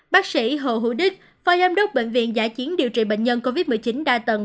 bác sĩ hồ hữu đức phó giám đốc bệnh viện giã chiến điều trị bệnh nhân covid một mươi chín đa tầng